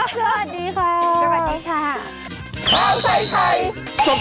ไปเถอะค่ะสวัสดีนะค่ะ